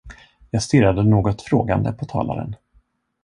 Jag stirrade något frågande på talaren.